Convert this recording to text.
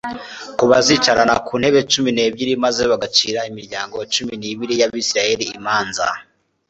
ko bazicarana ku ntebe cumi n'ebyiri maze bagacira imiryango cumi n'ibiri y'Abisiraeli imanza?